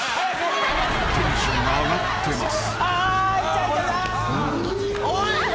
［テンションが上がってます］